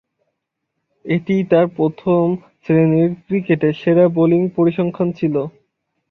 এটিই তার প্রথম-শ্রেণীর ক্রিকেটে সেরা বোলিং পরিসংখ্যান ছিল।